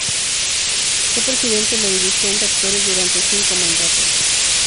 Fue Presidente de la División de Actores durante cinco mandatos.